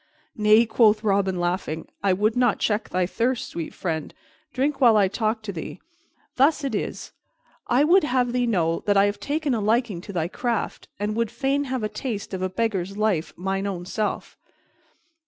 "Nay," quoth Robin, laughing. "I would not check thy thirst, sweet friend; drink while I talk to thee. Thus it is: I would have thee know that I have taken a liking to thy craft and would fain have a taste of a beggar's life mine own self."